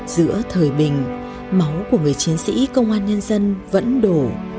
giữa thời bình máu của người chiến sĩ công an nhân dân vẫn đổ